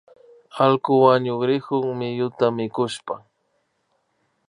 Allku wañukrikun miyuta mikushpa